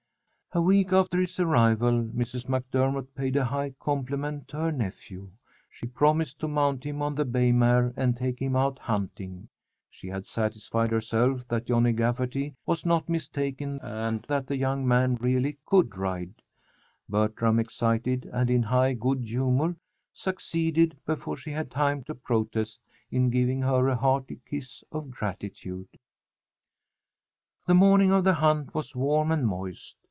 A week after his arrival Mrs. MacDermott paid a high compliment to her nephew. She promised to mount him on the bay mare and take him out hunting. She had satisfied herself that Johnny Gafferty was not mistaken and that the young man really could ride. Bertram, excited and in high good humour, succeeded, before she had time to protest, in giving her a hearty kiss of gratitude. The morning of the hunt was warm and moist.